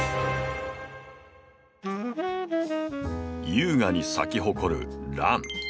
優雅に咲き誇るラン。